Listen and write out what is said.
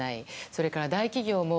それから大企業も